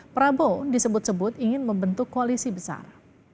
prabowo disebut sebut ingin membentuk koalisi besar